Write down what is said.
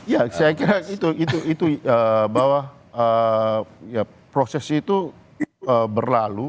ya saya kira itu bahwa proses itu berlalu